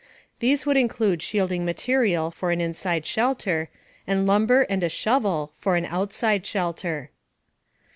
These would include shielding material (for an inside shelter), and lumber and a shovel (for an outside shelter).